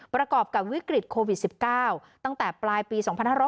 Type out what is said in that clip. ประกอบกับวิกฤตโควิด๑๙ตั้งแต่ปลายปี๒๕๖๐